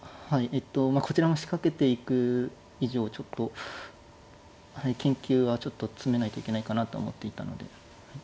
えっとこちらも仕掛けていく以上ちょっと研究は詰めないといけないかなと思っていたので。